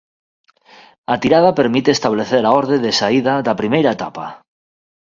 A tirada permite establecer a orde de saída da primeira etapa.